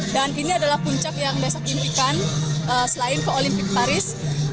dan ini adalah puncak yang desak impikan selain ke olimpik paris